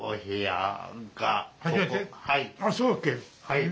はい。